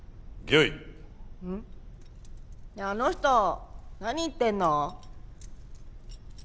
ねえあの人何言ってんの？